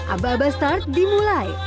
aba aba start dimulai